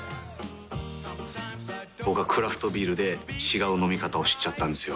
僕はクラフトビールで違う飲み方を知っちゃったんですよ。